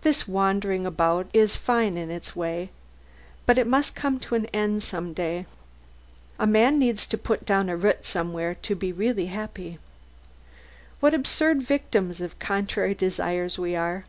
This wandering about is fine in its way, but it must come to an end some day. A man needs to put down a root somewhere to be really happy. What absurd victims of contrary desires we are!